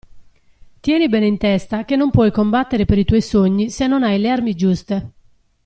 Tieni bene in testa che non puoi combattere per i tuoi sogni se non hai le armi giuste.